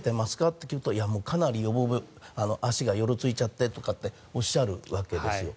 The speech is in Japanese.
って聞くとかなり足がよろついちゃってとおっしゃるわけですよ。